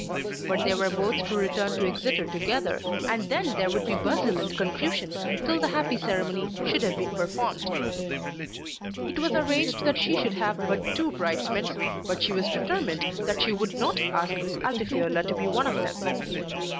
But they were both to return to Exeter together, and then there would be bustle and confusion till the happy ceremony should have been performed. It was arranged that she should have but two bridesmaids, but she was determined that she would not ask Miss Altifiorla to be one of them.